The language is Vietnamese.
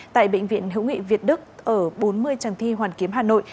tại bệnh viện hữu nghị việt đức ở bốn mươi trần thi hoàn kiếm hà nội